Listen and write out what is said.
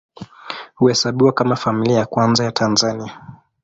Huhesabiwa kama Familia ya Kwanza ya Tanzania.